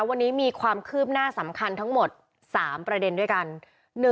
วันนี้มีความคืบหน้าสำคัญทั้งหมด๓ประเด็นด้วยกัน